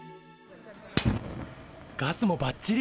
ガスもばっちり。